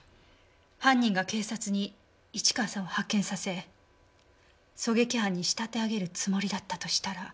犯人が警察に市川さんを発見させ狙撃犯に仕立て上げるつもりだったとしたら。